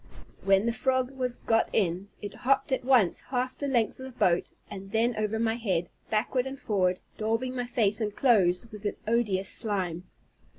When the frog was got in, it hopped at once half the length of the boat, and then over my head, backward and forward, daubing my face and clothes with its odious slime.